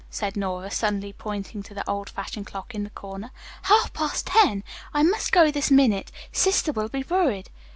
said Nora, suddenly pointing to the old fashioned clock in the corner. "Half past ten! I must go this minute. Sister will be worried."